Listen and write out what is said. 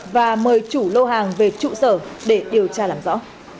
và mời chủ lô hàng về trụ sở để điều tra làm rõ